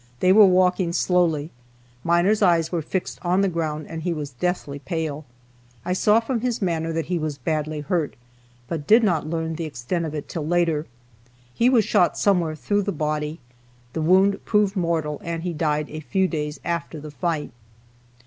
They were walking slowly. Miner's eyes were fixed on the ground, and he was deathly pale. I saw from his manner that he was badly hurt, but did not learn the extent of it till later. He was shot somewhere through the body. The wound proved mortal and he died a few days after the fight.